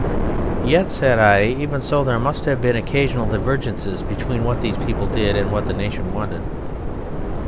"Yet," said I, "even so there must have been occasional divergences between what these people did and what the nation wanted."